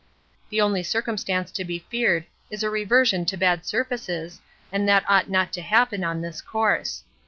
The only circumstance to be feared is a reversion to bad surfaces, and that ought not to happen on this course.